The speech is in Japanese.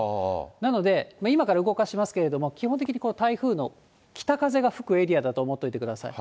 なので、今から動かしますけど、基本的にこの台風の北風が吹くエリアだと思っておいてください。